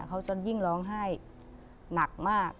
เขาจะยิ่งร้องไห้หนักมาก